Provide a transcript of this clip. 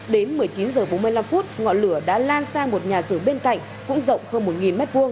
đến một mươi chín h bốn mươi năm ngọn lửa đã lan sang một nhà sử bên cạnh cũng rộng hơn một m hai